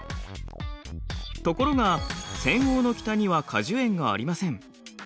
ところが扇央の北には果樹園がありません。